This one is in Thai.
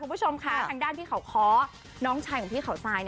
คุณผู้ชมค่ะทางด้านที่เขาค้อน้องชายของพี่เขาทราย